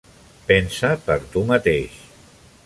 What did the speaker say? Pensa per tu mateix.